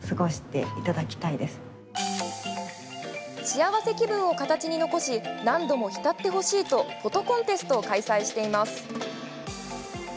幸せ気分を形に残し何度も浸ってほしいとフォトコンテストを開催しています。